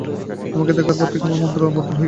তোমাকে দেখার পর থেকে আমার মন্ত্র বদল হয়ে গেছে।